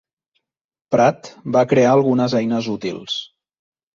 Pratt va crear algunes eines útils.